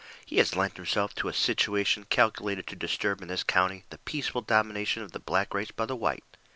"He has lent himself to a situation calculated to disturb in this county the peaceful domination of the black race by the white.